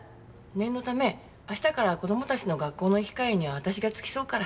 念のため明日から子供たちの学校の行き帰りには私が付き添うから。